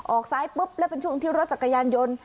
ออกซ้ายปุ๊บแล้วเป็นช่วงที่รถจักรยานยนต์